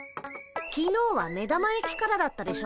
きのうは目玉焼きからだったでしょ。